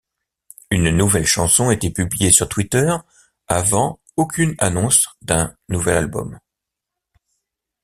Une nouvelle chanson était publiée sur Twitter avant aucune annonce d'un nouvel album.